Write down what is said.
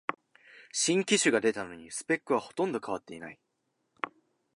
新機種が出たのにスペックはほとんど変わってない